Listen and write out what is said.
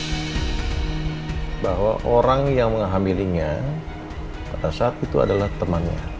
hai dan dia bilang sama bapak bahwa orang yang menghamilinya pada saat itu adalah teman